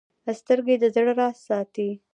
سترګې د زړه راز ساتي